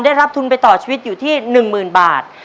ได้รับทุนไปต่อชีวิตอยู่ที่๑๐๐๐บาท